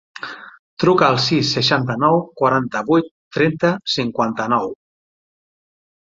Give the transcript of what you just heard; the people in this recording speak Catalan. Truca al sis, seixanta-nou, quaranta-vuit, trenta, cinquanta-nou.